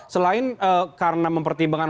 selain karena mempertimbangkan